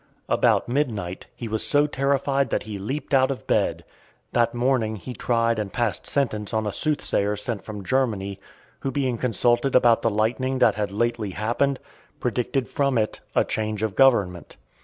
About midnight, he was so terrified that he leaped out of bed. That morning he tried and passed sentence on a soothsayer sent from Germany, who being consulted about the lightning that had lately (494) happened, predicted from it a change of government.